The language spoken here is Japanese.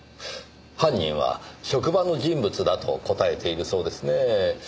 犯人は職場の人物だと答えているそうですねぇ。